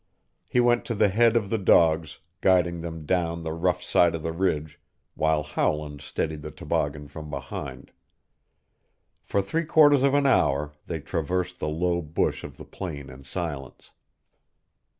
He went to the head of the dogs, guiding them down the rough side of the ridge, while Howland steadied the toboggan from behind. For three quarters of an hour they traversed the low bush of the plain in silence.